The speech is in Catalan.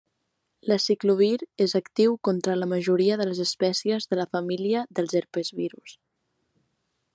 L'aciclovir és actiu contra la majoria de les espècies de la família dels herpesvirus.